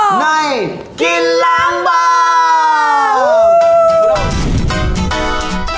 ในกินล้างบาง